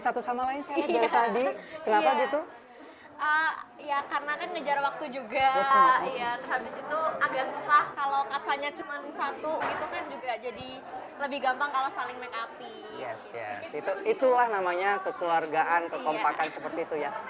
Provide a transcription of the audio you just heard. yes yes itulah namanya kekeluargaan kekompakan seperti itu ya